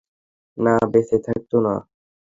না, বেচেঁ থাকত না।